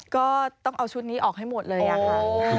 ก็ต้องเอาชุดนี้ออกให้หมดเลยอย่างนั้น